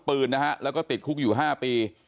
ปืนนะฮะแล้วก็ติดคุกอยู่๕ปี